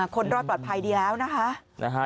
คนรอดปลอดภัยดีแล้วนะคะ